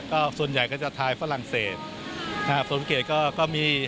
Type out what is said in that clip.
ก็ส่วนใหญ่ก็จะไทยฝรั่งเศสน่าเผื่อวิเวิร์ดก็ก็มี